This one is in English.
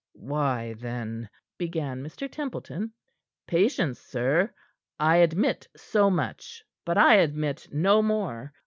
"Why, then " began Mr. Templeton. "Patience, sir! I admit so much, but I admit no more.